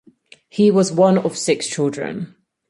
He was one of six children.